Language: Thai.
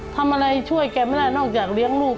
ทำอะไรช่วยแกไม่ได้นอกจากเลี้ยงลูก